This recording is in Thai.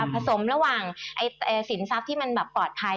สมระหว่างสินทรัพย์ที่มันแบบปลอดภัย